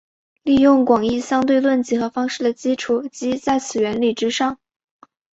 利用广义相对论几何方式的基础即在此原理之上。